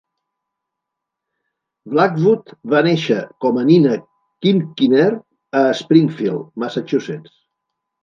Blackwood va néixer com a Nina Kinckiner a Springfield, Massachusetts.